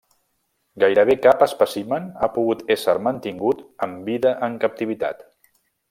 Gairebé cap espècimen ha pogut ésser mantingut amb vida en captivitat.